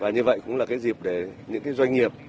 như vậy cũng là cái dịp để những cái doanh nghiệp